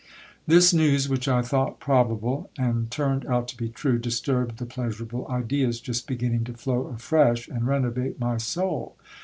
This news, which I thought probable, and turned out to be true, disturbed the pleasurable ideas, just beginning to flow afresh, and renovate my soul.